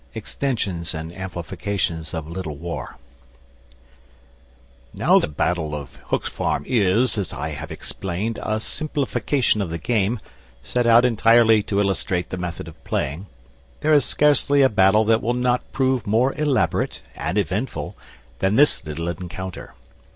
V EXTENSIONS AND AMPLIFICATIONS OF LITTLE WAR Now that battle of Hook's Farm is, as I have explained, a simplification of the game, set out entirely to illustrate the method of playing; there is scarcely a battle that will not prove more elaborate (and eventful) than this little encounter.